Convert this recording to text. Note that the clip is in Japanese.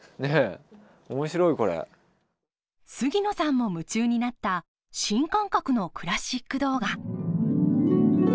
杉野さんも夢中になった新感覚のクラシック動画。